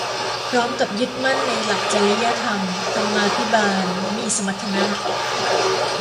พร้อมกับยึดมั่นในหลักจริยธรรม ธรรมาภิบาล มีสมรรถนะ